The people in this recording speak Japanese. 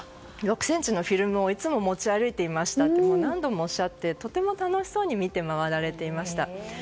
６ｃｍのフィルムをいつも持ち歩いていましたと何度もおっしゃってとても楽しそうに見て回られていました。